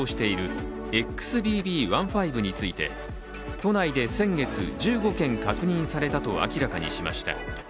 都内で先月、１５件確認されたと明らかにしました。